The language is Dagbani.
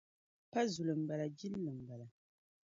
Pa zuli m-bala jilli m-bala.